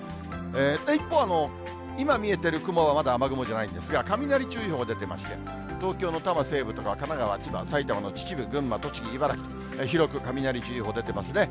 一方、今見えてる雲はまだ雨雲じゃないんですが、雷注意報が出てまして、東京の多摩西部とか、神奈川、千葉、埼玉の秩父、群馬、栃木、茨城、広く雷注意報出てますね。